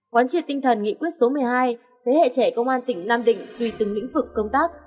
quán triệt tinh thần nghị quyết số một mươi hai thế hệ trẻ công an tỉnh nam định tùy từng lĩnh vực công tác